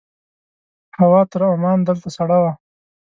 هوا تر عمان دلته سړه وه.